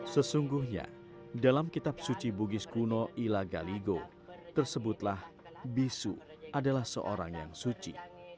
sesungguhnya dalam kitab suci bugis kuno ila galigo tersebutlah bisu adalah seorang yang suci